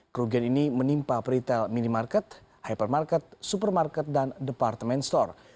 kerugian ini menimpa peritel minimarket hypermarket supermarket dan departemen store